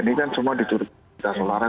ini kan semua ditutupi